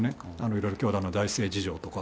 いろいろ教団の財政事情とか。